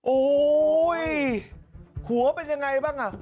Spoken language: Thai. โอ้โหหัวเป็นยังไงบ้างอ่ะ